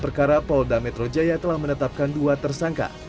perkara polda metro jaya telah menetapkan dua tersangka